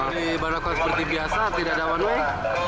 di barokon seperti biasa tidak ada one way